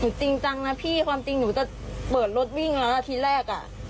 หนูจริงจังนะพี่ความจริงหนูจะเปิดรถวิ่งละอาทิตย์แรก